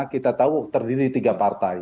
kita tahu terdiri tiga partai